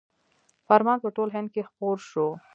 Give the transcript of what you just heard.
فرمان په ټول هند کې خپور شو.